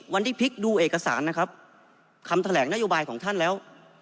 พลิกดูเอกสารนะครับคำแถลงนโยบายของท่านแล้ว